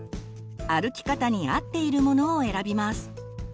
歩き方に合っているものを選びます。